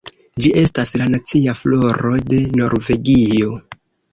Ĝi estas la nacia floro de Norvegio.